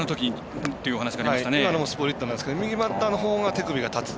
今のもスプリットなんですが右バッターのほうが手首が立つ。